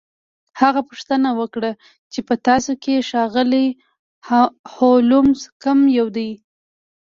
هغه پوښتنه وکړه چې په تاسو کې ښاغلی هولمز کوم یو دی